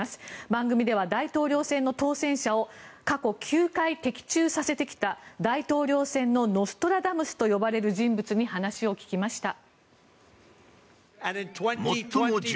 番組では大統領選の当選者を過去９回的中させてきた大統領選のノストラダムスと呼ばれる人物に話を聞きました。